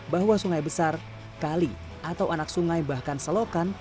bahwa sungai besar kali atau anak sungai bahkan selokan